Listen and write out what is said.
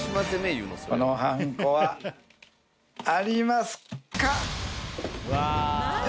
このはんこはありますか？